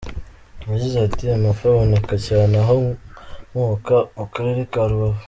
Yagize ati “Amafi aboneka cyane aho nkomoka mu karere ka Rubavu.